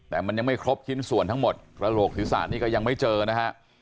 แต่มันยังไม่ครบชิ้นส่วนทั้งหมดกระโหลกศีรษะนี่ก็ยังไม่เจอนะฮะ